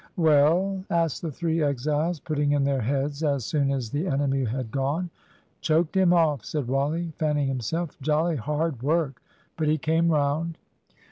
"Well?" asked the three exiles, putting in their heads as soon as the enemy had gone. "Choked him off," said Wally, fanning himself. "Jolly hard work. But he came round."